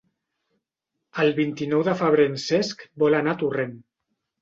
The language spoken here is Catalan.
El vint-i-nou de febrer en Cesc vol anar a Torrent.